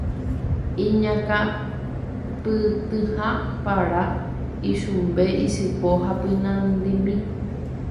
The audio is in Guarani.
iñakãpytĩha para, ichumbe ysypo ha pynandimi